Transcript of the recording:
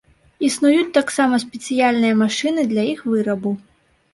Існуюць таксама спецыяльныя машыны для іх вырабу.